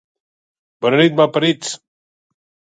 Bona nit, malparits!